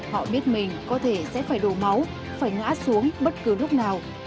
họ biết mình có thể sẽ phải đổ máu phải ngã xuống bất cứ lúc nào